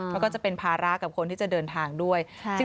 มันก็จะเป็นภาระกับคนที่จะเดินทางด้วย